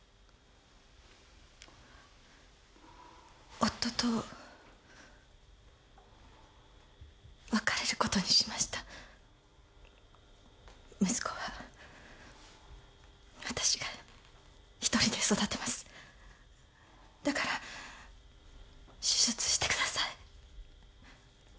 夫と別れることにしました息子は私が一人で育てますだから手術してください